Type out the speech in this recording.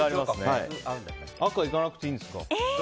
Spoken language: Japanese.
赤はいかなくていいんですか？